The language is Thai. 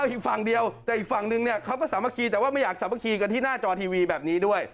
อีกฝั่งเดียวแต่อีกฝั่งนึงเนี่ยเขาก็สามัคคีแต่ว่าไม่อยากสามัคคีกันที่หน้าจอทีวีแบบนี้ด้วย